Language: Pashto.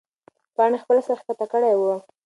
پاڼې خپل سر ښکته کړی و.